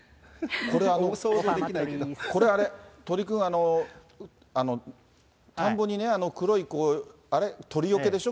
これ、鳥くん、田んぼにね、黒い、あれ、鳥よけでしょ？